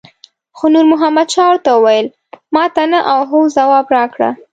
خو نور محمد شاه ورته وویل ماته نه او هو ځواب راکړه.